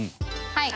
はい。